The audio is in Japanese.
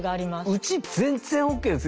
うち全然ＯＫです。